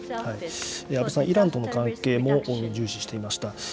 安倍さん、イランとの関係も重視していました。